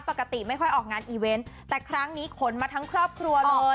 ปกติไม่ค่อยออกงานอีเวนต์แต่ครั้งนี้ขนมาทั้งครอบครัวเลย